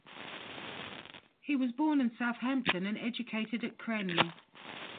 He was born in Southampton and educated at Cranleigh.